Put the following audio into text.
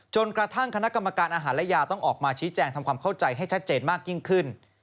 จนกระทั่งคณะกรรมการอาหารและยาต้องออกมาชี้แจงทำความเข้าใจให้ชัดเจนมากยิ่งขึ้น